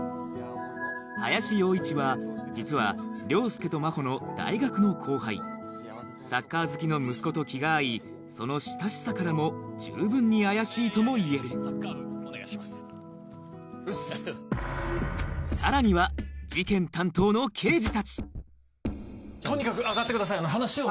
林洋一は実は凌介と真帆の大学の後輩サッカー好きの息子と気が合いその親しさからも十分に怪しいともいえるさらには事件担当の刑事たちとにかく上がってください話を。